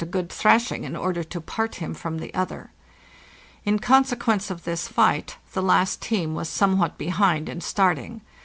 a good thrashing in order to part him from the other. In consequence of this fight the last team was some what behind in starting.